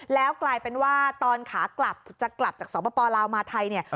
แล้วกลายเป็นว่าตอนขากลับจะกลับจากสปลาวมาไทยเนี่ย